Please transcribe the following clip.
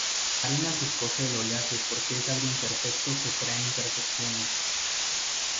Arenas escoge el oleaje porque es algo imperfecto que crea imperfecciones.